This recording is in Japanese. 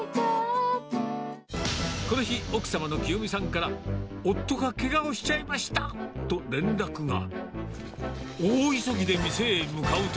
この日、奥様のきよみさんから、夫がけがをしちゃいましたと連絡が。